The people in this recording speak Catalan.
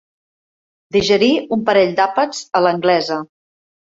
Digerir un parell d'àpats a l'anglesa.